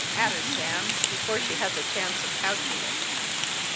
At her, Sam, before she has a chance of pouching it."